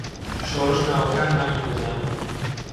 شۆڕش ناوەکانمانی دەزانی.